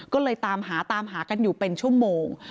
ก็เลยตามหาตามหากันอยู่เป็นชั่วโมง